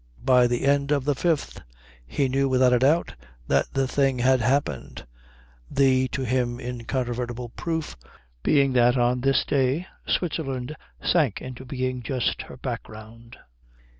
By the end of the fifth he knew without a doubt that the thing had happened; the, to him incontrovertible, proof being that on this day Switzerland sank into being just her background.